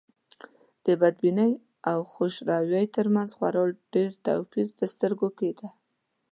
د بدبینۍ او خوشروی تر منځ یې خورا ډېر توپير تر سترګو کېده.